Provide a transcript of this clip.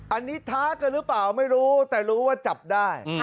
อันนี้ท้ากันหรือเปล่าไม่รู้แต่รู้ว่าจับได้